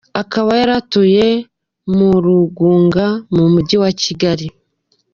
Akaba yari atuye mu Rugunga mu mujyi wa Kigali.